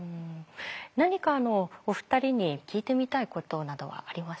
何かお二人に聞いてみたいことなどはありますか？